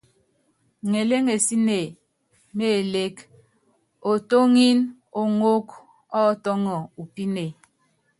Ŋeléŋensíne mé elék, Otóŋip oŋók ɔ́ tɔ́ŋɔ u píne.